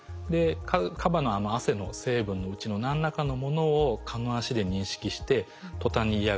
カバのあの汗の成分のうちの何らかのものを蚊の脚で認識してとたんに嫌がると。